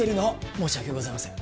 申し訳ございません。